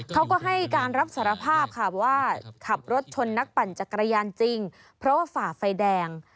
เขาก็ให้การรับสารภาพค่ะว่าขับรถชนนักปั่นจักรยานจริงเพราะว่าฝ่าไฟแดง